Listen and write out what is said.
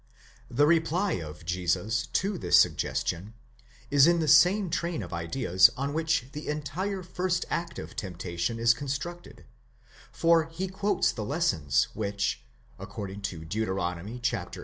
The reply of Jesus to this suggestion is in the same train of ideas on which the entire first act of temptation is constructed; for he quotes the lesson which, according to Deuteronomy viii.